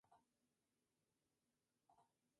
Fred House se formó en la Universidad de Southern Utah.